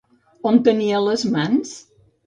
On tenia les mans?